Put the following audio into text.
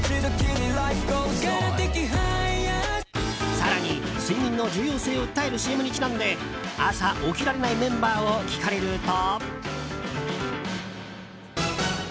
更に睡眠の重要性を訴えるＣＭにちなんで朝起きられないメンバーを聞かれると。